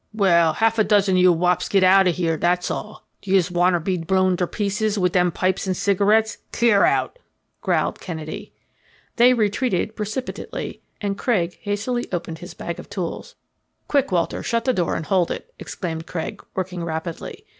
"Well, half a dozen o' you wops get out o' here, that's all. D'youse all wanter be blown ter pieces wid dem pipes and cigarettes? Clear out," growled Kennedy. They retreated precipitately, and Craig hastily opened his bag of tools. "Quick, Walter, shut the door and hold it," exclaimed Craig, working rapidly.